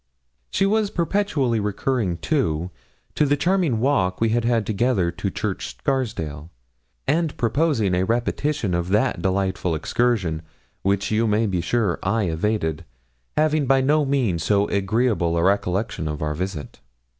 She was perpetually recurring, too, to the charming walk we had had together to Church Scarsdale, and proposing a repetition of that delightful excursion, which, you may be sure, I evaded, having by no means so agreeable a recollection of our visit.